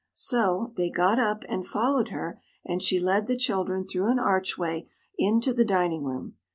So, they got up and followed her, and she led the children through an archway into the dining room.